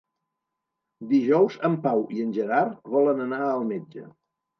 Dijous en Pau i en Gerard volen anar al metge.